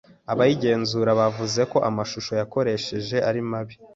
abayigenzura bavuze ko amashusho yakoresheje ari mabi